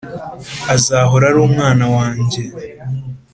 azahora ari umwana wanjye